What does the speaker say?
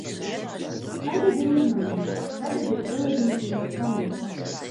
Tagad ir uzmanība, tagad ir televīzijas kameras.